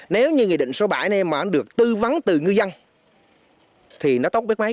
nếu như nghị định số bảy này mà được tư vấn từ ngư dân thì nó tốn biết mấy